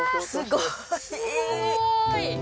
すごーい！